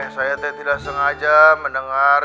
saya tidak sengaja mendengar